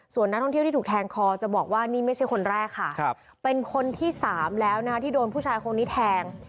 ส่วนนักท่องเที่ยวที่ถูกแทงคอจะบอกว่านี่ไม่ใช่คนแรกค่ะเป็นคนที่๓แล้วนะคะที่โดนผู้ชายคนนี้แทง